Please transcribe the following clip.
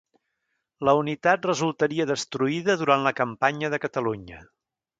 La unitat resultaria destruïda durant la campanya de Catalunya.